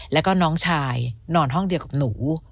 แล้วก็น้องชายนอนห้องเดียวกับหนู